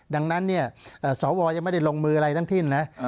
ดังนั้นเนี่ยสวยังไม่ได้ลงมืออะไรทั้งสิ้นนะ